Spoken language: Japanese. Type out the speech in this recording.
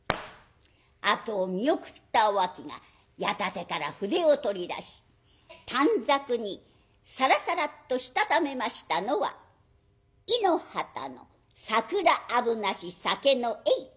あとを見送ったお秋が矢立てから筆を取り出し短冊にさらさらっとしたためましたのは「井の端の桜あぶなし酒の酔い」。